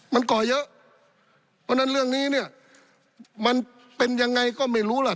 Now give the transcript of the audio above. มันก่อเยอะเพราะฉะนั้นเรื่องนี้เนี่ยมันเป็นยังไงก็ไม่รู้ล่ะ